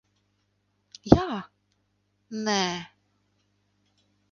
Jā. Nē.